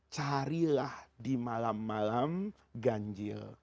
carilah di malam malam ganjil